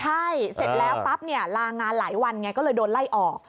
ใช่เสร็จแล้วปั๊บเนี่ยลางานหลายวันไงก็เลยโดนไล่ออก